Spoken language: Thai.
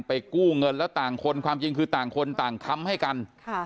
กู้เงินแล้วต่างคนความจริงคือต่างคนต่างค้ำให้กัน